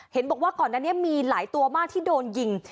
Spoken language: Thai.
เห็นบอกว่าก่อนอันนี้มีหลายตัวมากที่โดนยิง